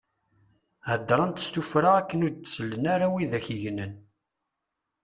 Heddṛent s tuffra akken ur d-sellen ara widak i yegnen.